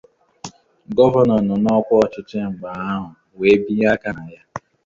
Gọvanọ nọ n'ọkwa ọchịchị mgbe ahụ wee binye aka na ya